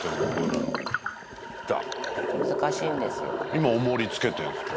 今おもりつけてるんですか？